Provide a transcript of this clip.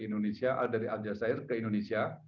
indonesia dari aljazeera ke indonesia